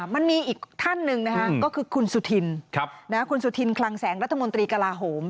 มันมีอีกท่านหนึ่งนะคะก็คือคุณสุธินคุณสุธินคลังแสงรัฐมนตรีกลาโหม